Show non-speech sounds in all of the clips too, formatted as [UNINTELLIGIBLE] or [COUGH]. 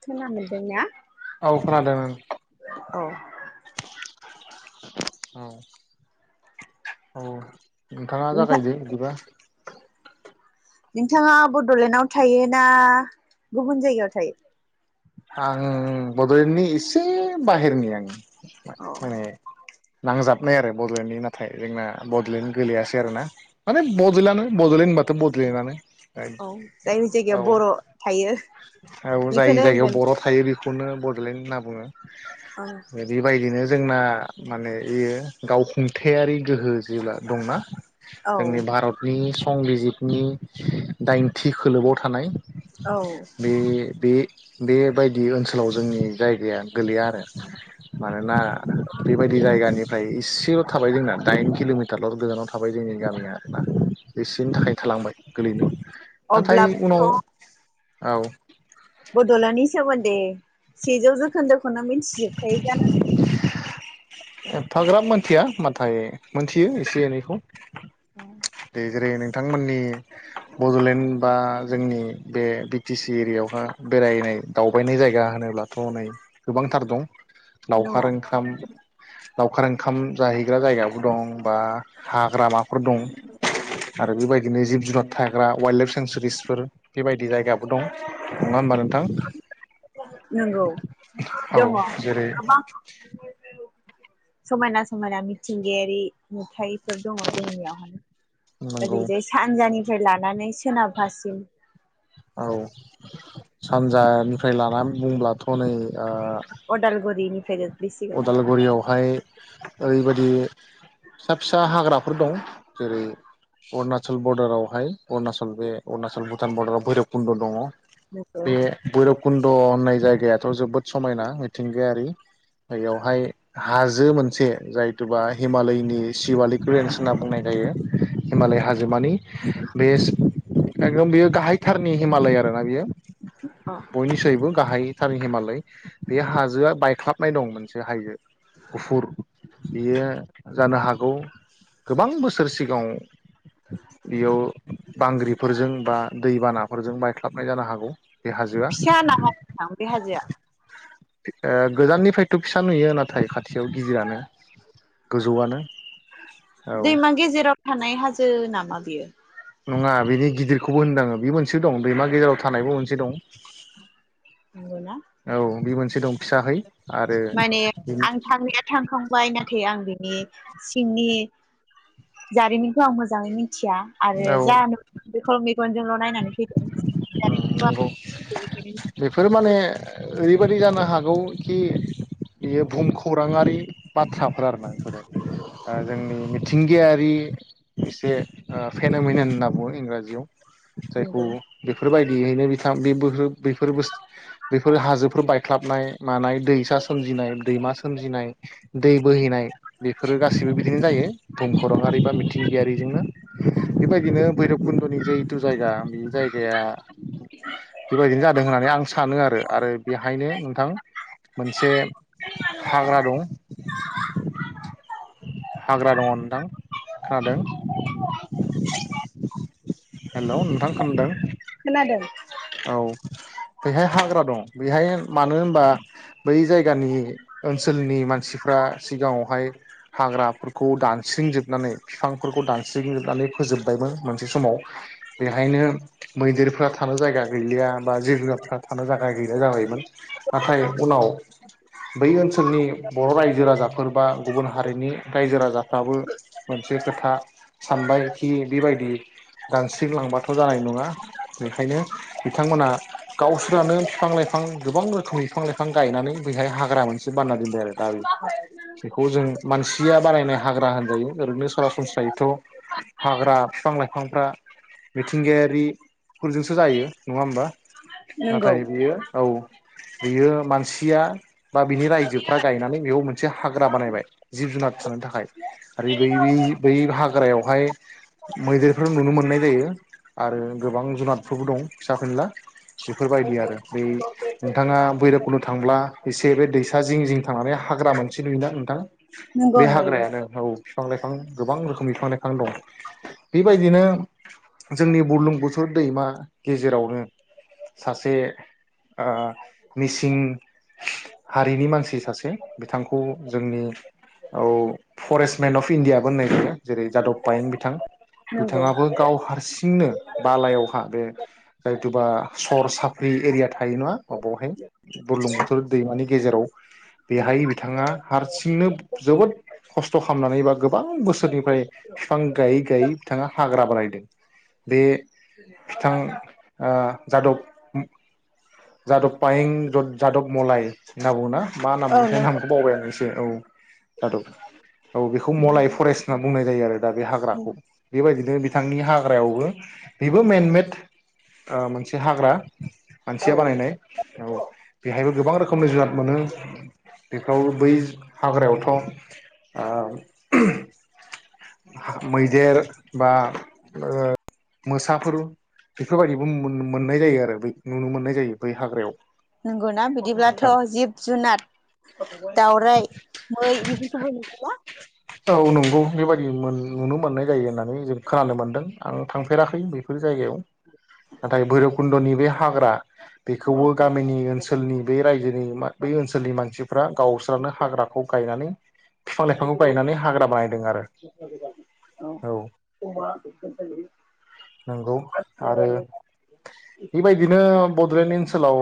खोना मोनदों ना? औ खोनादों औ। औ औ। नोंथाङा नोंथां जागायदो बिदिबा। नोंथाङा बड'लेण्डआव थायो ना गुबुन जायगायाव थायो? आं बड'लेण्डनि एसे बाहेरनि आं। औ। माने नांजाबनाय आरो बड'लेण्डनि नाथाय जोंना बड'लेण्ड गोलैयासै आरो ना। माने बदलेण्डनानो बदलेण्ड बाद। बदलेण्डनानो। औ जाय जायगायाव बर' थायो बेखौनो होनगोन। बे बेखौनो ब'लेण्ड नाम बुङो बेदिबायदिनो। जोंना माने एयो गावखुंथायारि गोहो जोला दंना? औ जोंनि भारतनि संबिजि जिदनि दाइनथि खोलोबाव थानाय। औ बे बे। बेबायदि ओनसोलाव जोंनि जायगाया गोलैया आरो। मानोना बेबायदि जायगानि। फ्राय इसेल' थाबाय जोंना दाइन किल'मिटारल' गोजानाव थाबाय जोंनि गामिया आरोना एसेनि थाखाय थालांबाय गोलैनो। नाथाय उनाव। अब्लाबोथ' औ। दलनि सोमोन्दै सेजौ जौखोन्दोख खोनो मिथिजोबखायो जानांगो। एफाग्राब मोनथिया नाथाय मोनथियो एसे एनैखौ दे जेरै नै बिथांमोननि बडलेण्ड बा जोंनि बे बिटि सि एरियावहा बेरायनाय दावबायनाय जायगा होनोब्लाथ नै गोबांथार दं दङ लावखार ओंखाम लावखार ओंखाम जाहैग्रा जायगाबो दं बा हाग्रामाफोर दं आरो बेबायदिनो जिब जुनार थाग्रा वाइल्ड लाइफ सेंनसुरिस फोर बेबायदि जायगाबो दं नङा होनोमबा नोंथां? नंगौ औ दङ जेरै गोबां समायना समायना मिथिंगायारि नुथाय फोर दङ जोंनियावहाय नंगौ ओरैजाय सानजानि फ्राय लानानै सोनाबहासिम औ सानजानिफ्राय लानानै बुंब्लाथ नै ओ अदालगुरि निफ्रायनो अदालगुरियावहाय ओरैबायदि फिसा फिसा हाग्राफोर दं जेरै अरुणाचल बरर्डाराव [UNINTELLIGIBLE] अरुणचल बे अरुणाचल भुटान बर्डाराव भैरब कुन्द दङ नंगौ बे भैरब कुन्द होननाय जायगायाथ जोबोद समायना मिथिंगायारि बेयावहाय हाजो मोनसे जायथुबा हिमालयनि सिवालि ग्रेन्स होनना बुंनाय जायो हिमालय नंगौ हाजोमानि बे एकदम बेयो गाहायथारनि हिमालय आरो ना बियो अ बयनिसायबो गाहाय थार हिमालय बे हाजोआ बायख्लाब नाइ दंमोन से हायजो गुफुर बियो जानो हागौ गोबां बोसोर सिगाङाव बेयाव बांग्रिफोरजों बा दैबाना फोरजों बायख्लाबनाय जानो हागौ बे हाजोआ फिसा नामा नोंथां बे हाजोआ? ओ गोजाननिफ्रायथ फिसा नुयो नाथाय खाथियाव गिदिरानो गोजौआनो औ दैमा गेजेराव थानाय हाजो नामा बियो? नङा बिनि गिदिरखौबो होनदोंआं बे मोनसे दं दैमा गेजेराव थानायबो मोनसे दं नंगौना औ बे मोन दं फिसाहै आरो माने आं थांनाया थांखांबाय ना थे आं बिनि सिंनि जारिमिनखौ आं मोजाङै मि थिया आरो औ जा नु बेखौ मेगन जोंल' नायनानै फैदों नंगौ [UNINTELLIGIBLE] बेनिखायनो बेफोर माने ओरैबायाददि जानो हागौ खि बेयो बुहुम खौराङारि बाथ्राफोर आरो ना बिफोरो ओ जोंनि मिथिंगायारि एसे ओ फेेन'मेनन होनना बुङो इंराजियाव जायखौ नंगौ बेफोरबायदि बेयैनो बिथां बेबोहो बेफोरबो बेफोर हाजोफोर बायख्लाबनाय मानाय दैसा सोमजिनाय दैमा सोमजिनाय दै बोहैनाय बेफोरो गासिबो बिदिनो जायो भुमखरङारि बा मिथिंगियारिजोंनो बेबायदिनो भैरब कुन्द'नि जिहेतु जायगा जायगाया बेबायदिनो जादों होननानै आं सा सानो आरो आरो बेहायनो नोंथां मोनसे हाग्रा दं हाग्रा दङ नोंथां खोनादों हेल' नोंथां खोनादों खोनादों। औ बेहाय हाग्रा दं बेहाय मानो होनबा बै जायगानि ओनसोलनि मानसिफ्रा सिगाङावहाय हाग्राफोरखौ दानस्रिंजोबनानै बिफांफोरखौ दानस्रिंजोबनानै फोजोबबायमोन मोनसे समाव बेहायनो मैदेरफोरा थानो जायगा गैलिया बा जेब्लाथानो थाखाय गैला जाबायोमोन। नाथाय उनाव बै ओनसोलनि बर' रायजो राजाफोर बा गुबुन हारिनि रायजो राजाफ्राबो मोनसे खोथा सानबाय खि बेबायदि दानस्रिंलांबाथ' जानाय नङा बेखायनो बिथांमोना गावसोरानो बिफां लाइफां गोबां रोखोम बिफां लाइफां गायनानै बैहाय हाग्रा मोनसे बानायना दोनबाय आरो दायो बेखौ जों मानसिया बानायनाय हाग्रा मोनजायो ओैरैनो सरासनस्रायैथ' हाग्रा बिफां लाइफां फ्रा मिथिगायारि जायो नंङा होमबा नंगौ नाथाय बियो औ बियो मानसि या बा बिनि रायजोफ्रा गायनानै बेयाव मोनसे हाग्रा बानायबाय जिब जुनार थानो थाखाय आरो बै बै बै हाग्रायाव ओमफाय मैदेरफोर नुनो मोननाय जायो आरो गोबां जुनाद फोरबो दं फिसा फेनला बेफोरबायदि आरो बै नोंथाङा बैरखुन्द थांब्ला एसे बे दैसा जिं जिं थांनानै हाग्रा मोनसे नुयोना नोंथां बे नंगौ नंगौ हाग्रायानो औ बिफां-लाइफां गोबां रोखोमनि बिफां-लाइफां दं बेबायदिनो जोंनि बुरलुंबुथुर दैमा गेजेरावनो सासे आ मिसिं हारिनि मानसि सासे बिथांखौ जोंनि औ फरेस्टमेन अफ इण्डिया बो होननाय जेरै जादब पायें बिथां नंगौ बिथाङाबो गाव हारसिंनो बालायाव हा बे जायथुबा सर साफ्रि एरिया थायो ना माबहाय बुरलुंबुथुर दैमानि गेजेराव बेहाय बिथाङा हारसिंनो जोबोद खस्थ' खालामनानै बा गोबां बोसोरनिफ्राय बिफां गायै गायै बिथाङा हाग्रा बारायदों बे ओ जादब जादब पायें जा-जादब मलाय होनना बुङोना मा नाम औ मोनथाय नामखौ बावबाय आं ए से औ जादब औ बेखौ नंगौ मलाय फरेस्ट होनना बुंनाय जायो आरो दा बे हाग्राखौ बेबायदि नो बिथांनि हाग्रायावबो बेबो मेनमेट ओ मोनसे हाग्रा मानसिया औ बानायनाय औ बेहायबो गोबां रो खमनि जुवाद मोनो बेफ्राव बै हाग्रायावथ' आ मैदेर बा ओ मोसाफोर बेफोरबायदिबो मोन-मोननाय जायो आरो नुनो मोननाय जायो बै हाग्रायाव नंगौ ना बिदिब्लाथ' नोंथां जिब-जुनार दउराइ, मै बेफोरखौबो नुगोन ना। औ नंगौ बेबायदि मोन नुनो मोननाय जायो होननानै जों खोनानो मोनदों आं थांफेराखै बेफोर जायगायाव नाथाय भैरबकुणन्दनि बे हाग्रा बेखौबो गामिनि ओनसोलनि बे रायजोनि मा बे ओनसोलनि मानसिफ्रा गावस्रानो हाग्राखौ गायनानै बिफां लाइफांखौ गायनानै हाग्रा बानायदों आरो औ नोंगौ। आरो बेबायदिनो बड'लेण्ड ओनसोलाव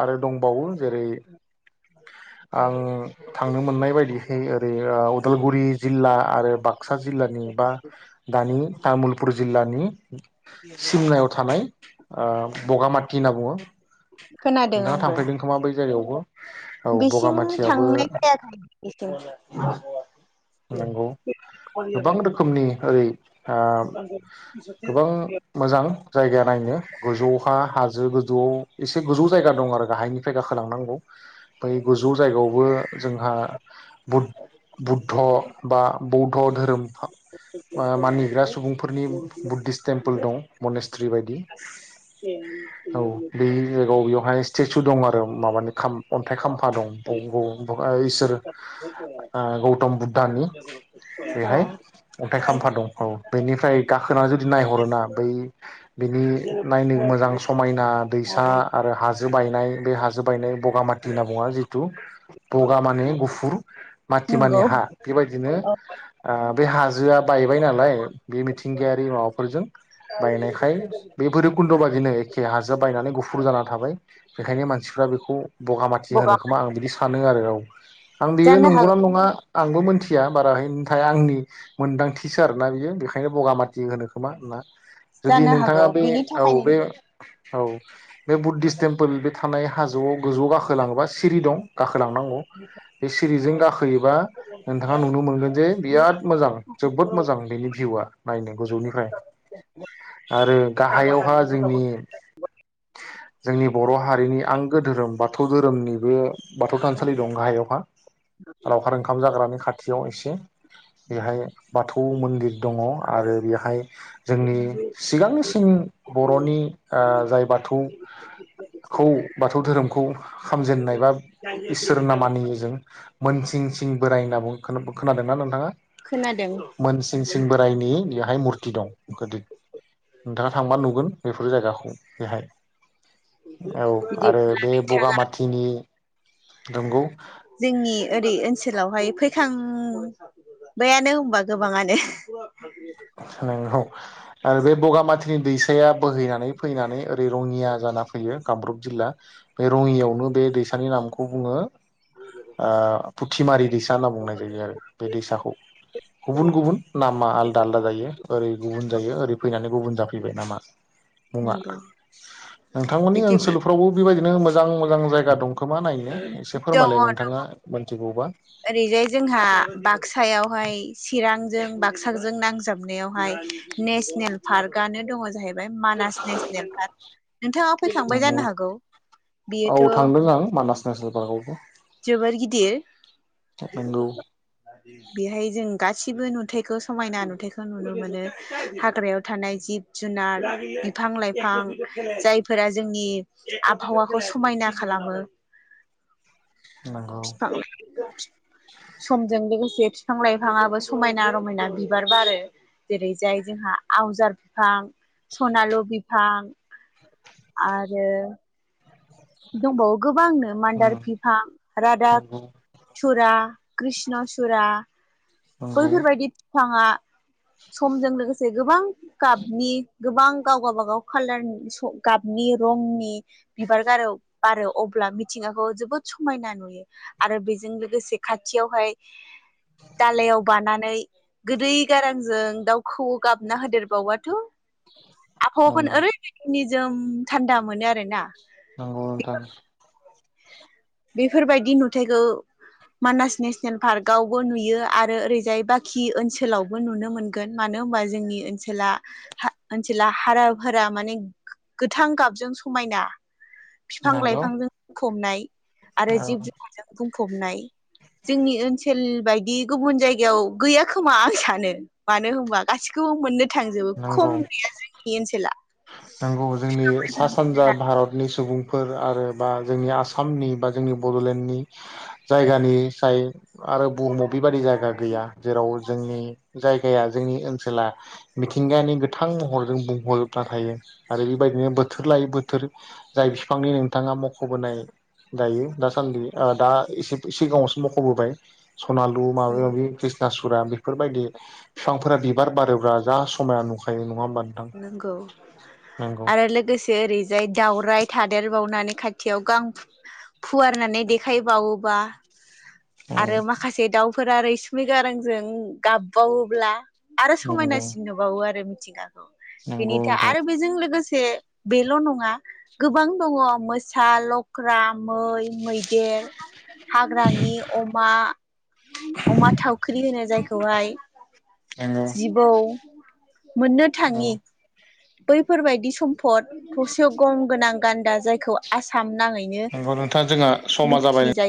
आरो दंबावो। जेरै आं थांनो मोननाय बायदिहै ओरै उदालगुरि जिल्ला आरो बा- क्सा जिल्लानि बा दानि तामुलपुर जिल्लानि [UNINTELLIGIBLE] सिमनायाव थानाय ओ बगामाथि होनना बुङो नोंथाङा थांफेरदों खोमा बै जायगायावबो औ बेसिंम बगामाथियाबो थांनाय जायाखै नंगौ गोबां [UNINTELLIGIBLE] रोखोमनि ओरै ओ गोबां मोजां जायगा नायनो गोजौ हा हाजो गोजौआव एसे गोजौ जायगा दं आरो गाहायनिफ्राय गाखोलांनांगौ बै गोजौ जायगायावबो जोंहा बुध्द बा बौध धोरोम मानिग्रा सुबुंफोरनि बुद्धिस टेम्पोल दं‌। हिसतरि बायदि औ बे जुगावब्ला स्टेसु दं आरो माबानि खा- अन्थाइ खाम्फा दं ब ब इसोर गौतम बुद्धनि बेहाय अन्थाइ खाम्फा दं औ बेनि- [UNINTELLIGIBLE] ना जुदि नायहरो ना बै बिनि नायनो मोजां समायना दैसा आरो हाजो बायनाय बे हाजो जो बायनाय बगामाथि होनना बुंङा जिथु बगा मानि गुफुर नंगौ माथिमानि हा बेबायदिनो ओ बे हाजोआ बायबाय नालाय बे मिथिंगायारि माबाफोरजों बायनायखाय बे बोरिखुन्द बादिनो एखे हाजो बायनानै गुफुर जाना थाबाय बेखायनो मानसिफ्रा बेखौ बगामाथि होनोखोमा आं बिदि सान नो आरो औ आं बेयो जानो हागौ नंगौना नंङा आंबो मोन थिया बाराहैयथाया आंनि मोनदांथिसो आरो नायजों बेखायनो बगामाथि होनो मा होनना जुदि जानो हागौ नोंथाङा बे बिनि औ थाखायनो बे होनदों औ बे बुद्धिस टेम्पोल बे थानाय गं गोजौ गाखोलाङोबा सिरि दं लांनांगौ बे सिरिजों गाखोयोबा नोंथाङा नुनो मोनगोन जे बिराद मोजां जोबोद मोजां बेनि भिउआ नायनो गोजौनिफ्राय आरो गाहायावहा जोंनि जोंनि बर' हारिनि आंगो धोरोम बाथौ धोरोमनि गो बाथौ थानसालि दं गाहायावहा लावखार ओंखाम जाग्रानि खा थियाव एसे बेहाय बाथौ मोन्दिर दङ आरो बेहाय जोंनि सिगांनिसिन बर'नि ओ जाय बाथौखौ बाथौ धोरोमखौ खामजेननाय बा इसोरना मानि जों मोनसिं सिं बोराय होनना खोनाब-खोनादोंना नोंथाङा मोनसिं सिं बोरायनि हाय मुरथि दं गोदिद नोंथाङा थांबा नुगोन बेफोर जायगाखौ बेहाय औ बिदि आरो बे बगामाथिनि नंगौ जोंनि ओरै ओनसोलावहाय फै खांबायानो होनबा गोबाङानो नोंगौ आरो बे बगामाथिनि दैसाया बोहैनानै फैनानै ओरै रङिया जाना फैयो कामरुप जिल्ला बे रङियावनो बे दैसानि नामखौ बुङो फुथिमारि दैसा होनना बुंनाय जायो आरो बे दैसाखौ गुबुन गुबुन नामा आ यो ओरै गुबुन जायो ओरै फैनानै गुबुन जाफैबाय नामा मुङा नंगौ नोंथांमोननि बिदि दङ ओनसोलफ्रावबो बेबायदिनो मोजां मोजां जायगा दंखोमा नायनो एसे दं फोरमायलाय नोंथाङा मोनथिगौबा ओरैजाय जोंहा बागसायावहाय चिरांजों बागसाजों नांजाबनायावहाय नेसनेल पार्कआनो दङ जाहै बाय मानास नेसनेल पार्क नोंथाङा फैखांबाय नंगौ जानो हागौ औ बेयोथ' थांदों आं मानास नेसनेल पार्कआवबो जोबोर गिदिर नंगौ बेहाय जों गा सिबो नुथायखौ समायना नुथायाइखौ नुनो मोनो हाग्रायाव थानाय जिब जुनार बिफां लाइफां जायफोरा जोंनि आबहावाखौ समायना खालामो नंगौ फिफां लाइ समजों लोगोसे से बिफां लाइफाङाबो समायना रमायना बिबार बारो जेरैजाय जोंहा आवजार बिफां, सनालु बिफां आरो दंबावो गोबांनो मान्दार बिफां रादाक नंगौ थुरा कृष्ण सुरा नंगौ बैफोरबायदि बिफाङा समजों लोगोसे गोबां गाबनि गोबां गाव गबागाव कालारनि गाबनि रंनि बिबार बारो बारो अब्ला मिथिंगाखौ जोबोद समायना नुयो आरो बेजों लोगोसे खाथियावहाय दालायाव बानानै गोदै गारांजों दाउखौ गाबना होदेरबावबाथ' आबहावाखौ नंगौ ओरैबायदि नि जोम थान्दा मोनो आरो ना नंगौ नोंथां बेफोरबायदि नुथायखौ मानास नेसनेल पार्कआवबो नुयो आरो ओरैजाय बाखि ओनसोलावबो नुनो मोनगोन मानो होनबा जोंनि ओनसोला हाराफोरा माने गोथां गाबजों समायना। बिफां नंगौ लाइफांजों हमनाय। आरो औ जिब जुनारजों बुंफबनाय जोंनि ओनसोल बायदि गुबुन जायगायाव गैया खोमा आं सानो मानो होनबा गासिखौबो मोनो थांजोबो नंगौ खम गैया जोंनि ओनसोला नंगौ जोंनि सा सानजा भारतनि सुबुंफोर आरो बा जोंनि आसामनि बा जोंनि बड'लेण्डनि जायगानिफ्राय आरो बुहुमाव बेबादि जायगा गैया जेराव जोंनि जायगाया जोंनि ओनसोला मिथिंगानि गोथां महर जों बुंहरो। थायो आरो बेबायदिनो बोथोर लायै बोथोर जाय बिफांनि नोंथाङा मख'बोनाय दायो दासान्दि दा एसे सिगाङावसो मख'बोबाय सनालु माबा नंगौ माबि कृष्णसु बेफोरबायदि बिफांफोरा बिबार बारोब्रा जा समाया नुखायो नङा होनबा। नंगौ। आरो लोगोसे ओरैजाय दावराइ थादेर बावनानै खाथियाव गां फु फुवारनानै देखायबावोबा औ आरो माखासे दाउ फोरा रैसुमै गारांजों गाबबावोब्ला आरो नंगौ समायनासिन नुबावो आरो। थिंगा। नंगौ बिनिथा नोंथां आरो बेजों लोगोसे दे बेल' नङा गोबां दङ मोसा लख्रा मै मैदेर हाग्रानि अमा अमा थावख्रि होनो जायखौहाय नंगौ जिबौ मोन। औ थाङि। बैफोरबायदि सम फद थसेयाव गं गोनां गान्दा जायखौ आसाम नाङैनो नंगौ नोंथाङा जोंहा समा जाबाय। मिथिजायो